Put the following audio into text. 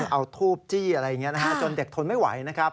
เอาทูบจี้อะไรอย่างนี้จนเด็กทนไม่ไหว